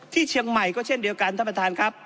ที่เชียงใหม่ก็เช่นเดียวกันท่านประธานครับ